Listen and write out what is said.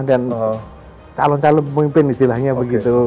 dan calon calon pemimpin istilahnya begitu